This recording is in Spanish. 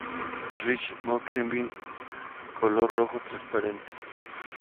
Rich Mockingbird color rojo transparente.